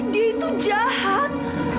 dia itu jahat